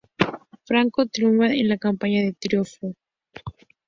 Franco triunfa en la campaña de "Riofrío".